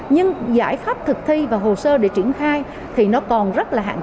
nhưng giải pháp thực thi và hồ sơ để triển khai thì nó còn rất là hạn chế